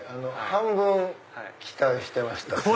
半分期待してました。